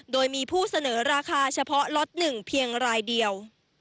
โดยมีผู้เสนอราคาเฉพาะล็อต๑เพียงรายเดียว